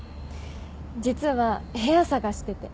実は部屋探してて。